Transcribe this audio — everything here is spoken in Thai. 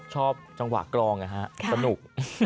ชอบจังหวะกรองนะฮะสนุก